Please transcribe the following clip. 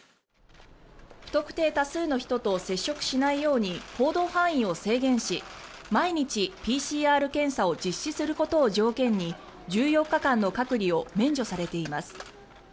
不特定多数の人と接触しないように行動範囲を制限し毎日、ＰＣＲ検査を実施することを条件に１４日間の隔離を免除されています。